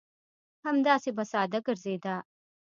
همداسې به ساده ګرځېده.